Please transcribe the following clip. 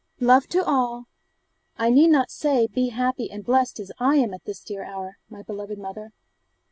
love to all I need not say be happy and blessed as I am at this dear hour, my beloved mother.